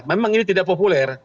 memang ini tidak populer